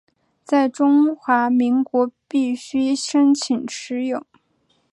在中华民国必须申请持有。